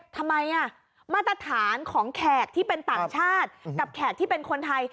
ทำไมมาตรฐานของแขกที่เป็นต่างชาติกับแขกที่เป็นคนไทย